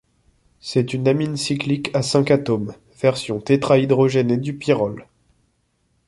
C'est une amine cyclique à cinq atomes, version tétrahydrogénée du pyrrole.